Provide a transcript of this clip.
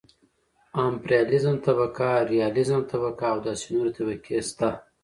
امپرياليزم طبقه ،رياليزم طبقه او داسې نورې طبقې شته .